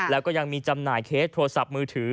แล้วก็ยังมีจำหน่ายเคสโทรศัพท์มือถือ